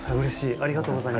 ありがとうございます。